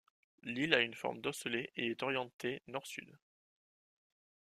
L'île a une forme d'osselet et est orientée nord-sud.